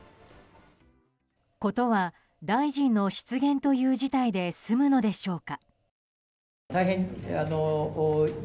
事は大臣の失言という事態で済むのでしょうか。